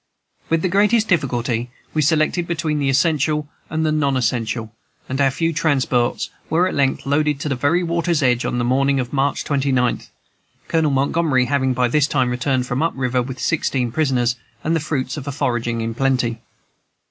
With the greatest difficulty we selected between the essential and the non essential, and our few transports were at length loaded to the very water's edge on the morning of March 29th, Colonel Montgomery having by this time returned from up river, with sixteen prisoners, and the fruits of foraging in plenty.